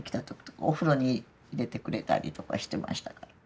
お風呂に入れてくれたりとかしてましたから。